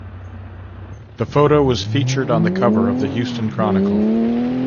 The photo was featured on the cover of the "Houston Chronicle".